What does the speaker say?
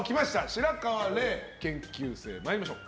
白河れい研究生、参りましょう。